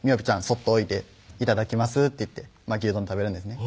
そっと置いて「いただきます」って言って牛丼食べるんですね